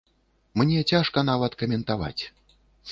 Мне цяжка нават каментаваць.